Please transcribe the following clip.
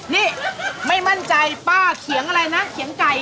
นี่ไม่มั่นใจป้าเขียนอะไรนะเขียงไก่